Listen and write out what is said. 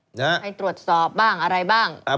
ให้ตรวจสอบบ้างอะไรบ้าง